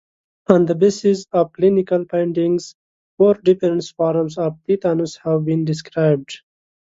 On the basis of clinical findings, four different forms of tetanus have been described.